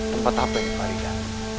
tempat apa ini faridah